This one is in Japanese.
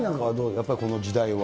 やっぱ、この時代は。